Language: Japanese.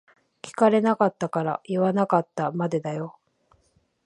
聞かれなかったから言わなかったまでだよ。